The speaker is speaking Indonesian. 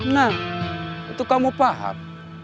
nah itu kamu paham